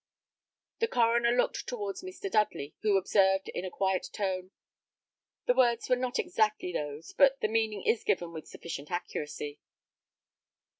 '" The coroner looked towards Mr. Dudley, who observed, in a quiet tone, "The words were not exactly those, but the meaning is given with sufficient accuracy."